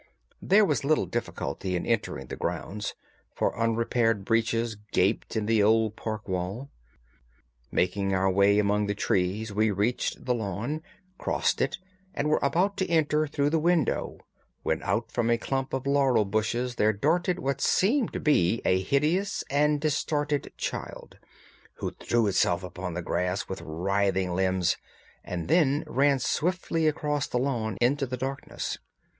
There was little difficulty in entering the grounds, for unrepaired breaches gaped in the old park wall. Making our way among the trees, we reached the lawn, crossed it, and were about to enter through the window when out from a clump of laurel bushes there darted what seemed to be a hideous and distorted child, who threw itself upon the grass with writhing limbs and then ran swiftly across the lawn into the darkness.